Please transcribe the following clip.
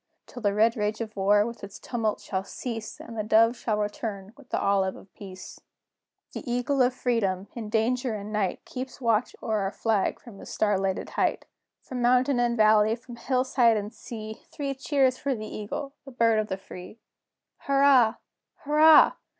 Till the red rage of war with its tumult shall cease, And the dove shall return with the olive of peace. CHORUS. The Eagle of Freedom, in danger and night, Keeps watch o'er our flag from his star lighted height. From mountain and valley, from hill side and sea, Three cheers for the Eagle, the Bird of the Free! Hurrah! Hurrah!